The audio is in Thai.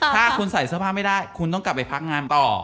ถ้าคุณใส่เสื้อผ้าไม่ได้คุณต้องกลับไปพักงานต่อ